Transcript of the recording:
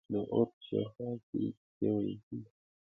د اور په شاوخوا کې کیسې ویل کیږي.